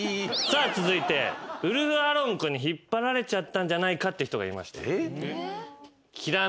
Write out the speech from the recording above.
続いてウルフアロン君に引っ張られちゃったんじゃないかって人がいました。